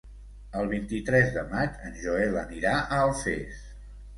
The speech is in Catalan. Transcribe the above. El vint-i-tres de maig en Joel anirà a Alfés.